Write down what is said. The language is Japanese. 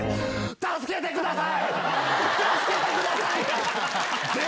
助けてください！